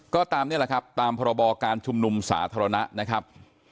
ก็ตามนี่แหละครับตามพรบการชุมนุมสาธารณะนะครับ